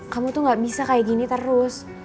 kamu tuh gak bisa kayak gini terus